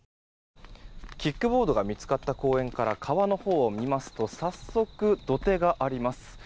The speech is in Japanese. キックボードが見つかった公園から川のほうを見ますと早速、土手があります。